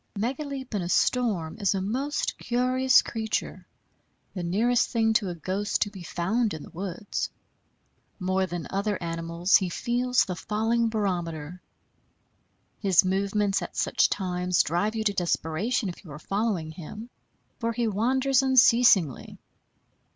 Megaleep in a storm is a most curious creature, the nearest thing to a ghost to be found in the woods. More than other animals he feels the falling barometer. His movements at such times drive you to desperation, if you are following him; for he wanders unceasingly.